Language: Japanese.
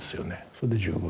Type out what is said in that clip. それで十分。